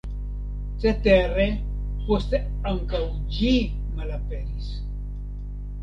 Cetere poste ankaŭ ĝi malaperis.